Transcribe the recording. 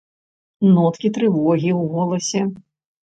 Ноткі трывогі ў голасе.